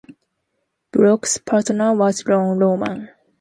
Brooks' partner was Lou Rowan.